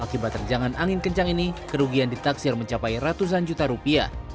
akibat terjangan angin kencang ini kerugian ditaksir mencapai ratusan juta rupiah